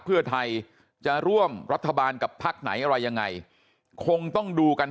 เพื่อไทยจะร่วมรัฐบาลกับพักไหนอะไรยังไงคงต้องดูกัน